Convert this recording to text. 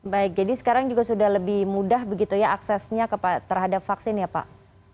baik jadi sekarang juga sudah lebih mudah begitu ya aksesnya terhadap vaksin ya pak